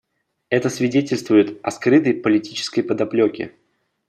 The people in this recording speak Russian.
Это свидетельствует о скрытой политической подоплеке.